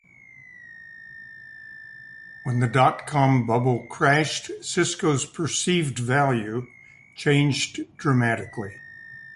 When the dot-com bubble crashed, Cisco's perceived value changed dramatically.